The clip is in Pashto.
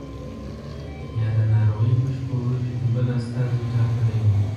یا د ناروغۍ په شپو ورځو کې بل استازی ټاکلی وو.